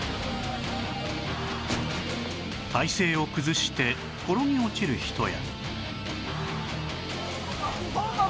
体勢を崩して転げ落ちる人や